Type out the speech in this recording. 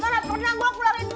gak pernah gue keluarin money